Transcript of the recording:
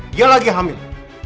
dia lagi hamil